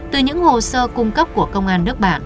từ những hồ sơ cung cấp của công an nước bạn